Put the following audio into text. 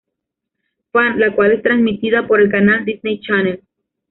Farm, la cual es transmitida por el canal Disney Channel.